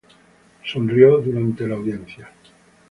Él sonrió durante la audiencia.